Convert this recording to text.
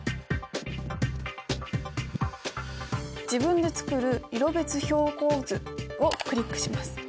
「自分で作る色別標高図」をクリックします。